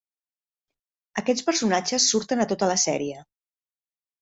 Aquests personatges surten a tota la sèrie.